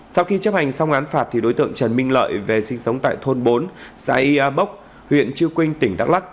sau khi chấp hành xong án phạt thì đối tượng trần minh lợi về sinh sống tại thôn bốn xã y a bốc huyện chiêu quynh tỉnh đắk lắc